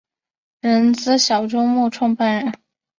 人资小周末创办人